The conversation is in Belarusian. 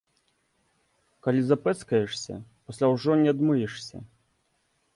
Калі запэцкаешся, пасля ўжо не адмыешся.